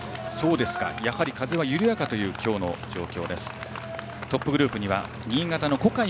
やはり風は緩やかという今日の状況。